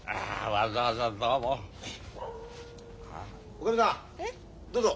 おかみさんどうぞ。